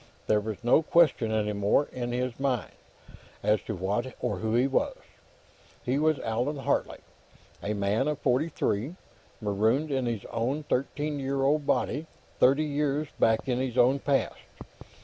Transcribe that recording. There was no question, any more, in his mind, as to what or who he was. He was Allan Hartley, a man of forty three, marooned in his own thirteen year old body, thirty years back in his own past.